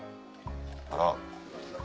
あら。